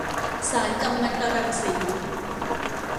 สารกัมมันตรังสี